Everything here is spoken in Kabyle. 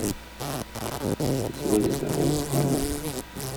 Yettwazdeɣ uxxxam-a.